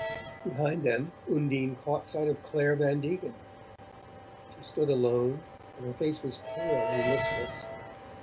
Behind them Undine caught sight of Clare Van Degen; she stood alone, and her face was pale and listless.